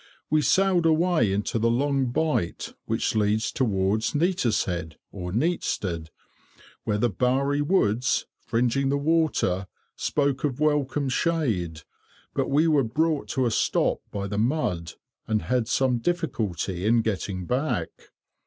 We sailed away into the long bight which leads towards Neatishead, where the bowery woods, fringing the water, spoke of welcome shade, but we were brought to a stop by the mud, and had some difficulty in getting back.